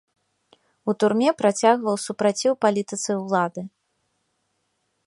У турме працягваў супраціў палітыцы ўлады.